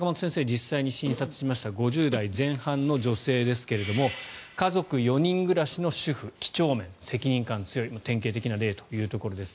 実際に診察しました５０代前半の女性ですが家族４人暮らしの主婦几帳面、責任感が強い典型的な例というところです。